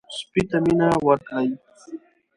سپي ته مینه ورکړئ.